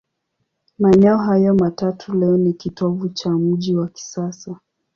Maeneo hayo matatu leo ni kitovu cha mji wa kisasa.